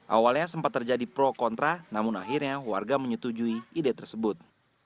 awalnya sempat terjadi pro kontra namun akhirnya warga menyetujui ide tersebut